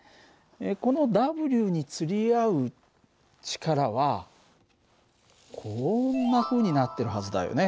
このＷにつり合う力はこんなふうになってるはずだよね。